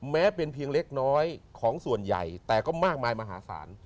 แม้เป็นเพียงเล็กน้อยของส่วนใหญ่แต่ก็มากมายมหาศาล